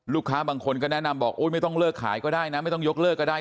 บางคนก็แนะนำบอกไม่ต้องเลิกขายก็ได้นะไม่ต้องยกเลิกก็ได้